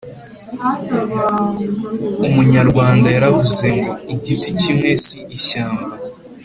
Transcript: Umunyarwanda yaravuze ngo : “Igiti kimwe si ishyamba”